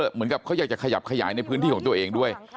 เหมือนกับเขาอยากจะขยับขยายในพื้นที่ของตัวเองด้วย